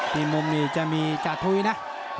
นี่มุมนี้จะมีจาธุ้ยนะ